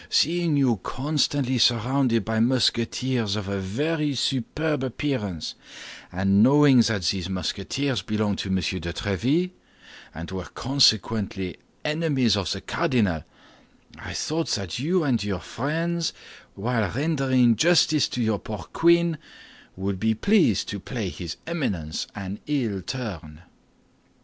"Seeing you constantly surrounded by Musketeers of a very superb appearance, and knowing that these Musketeers belong to Monsieur de Tréville, and were consequently enemies of the cardinal, I thought that you and your friends, while rendering justice to your poor queen, would be pleased to play his Eminence an ill turn."